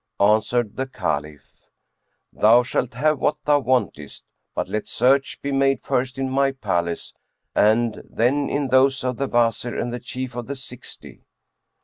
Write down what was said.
Answered the Caliph, "Thou shalt have what thou wantest; but let search be made first in my palace and then in those of the Wazir and the Chief of the Sixty."